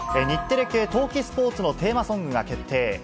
日テレ系冬季スポーツのテーマソングが決定。